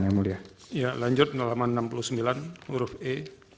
ya lanjut nolaman enam puluh sembilan huruf e